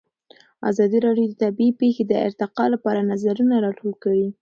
ازادي راډیو د طبیعي پېښې د ارتقا لپاره نظرونه راټول کړي.